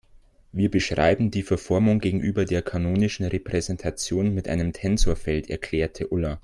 Wir beschreiben die Verformung gegenüber der kanonischen Repräsentation mit einem Tensorfeld, erklärte Ulla.